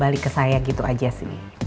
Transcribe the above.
balik ke saya gitu aja sih